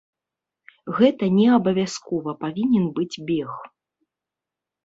Гэта не абавязкова павінен быць бег.